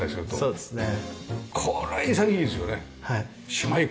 そうですね。